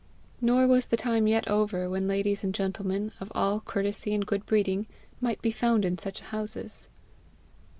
Nor was the time yet over, when ladies and gentlemen, of all courtesy and good breeding, might be found in such houses.